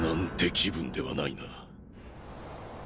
気分ではないな。